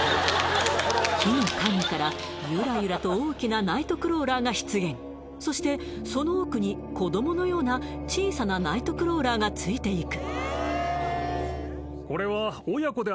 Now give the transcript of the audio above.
木の陰からゆらゆらと大きなナイトクローラーが出現そしてその奥に子どものような小さなナイトクローラーがついていく